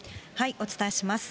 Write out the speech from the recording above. お伝えします。